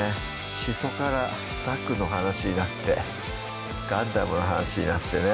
しそからザクの話になってガンダムの話になってね